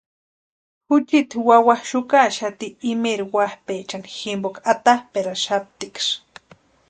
Juchiti wawa xukaxati imeeri wapʼaechani jimpoka atapʼeraxaptiksï.